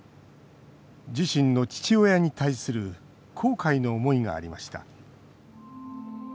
自身の父親に対する後悔の思いがありました。